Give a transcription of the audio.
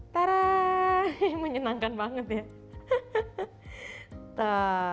taraaa menyenangkan banget ya